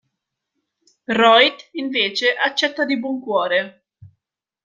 Rohit, invece, accetta di buon cuore.